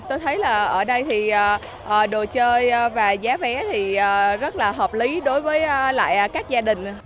tôi thấy là ở đây thì đồ chơi và giá vé thì rất là hợp lý đối với lại các gia đình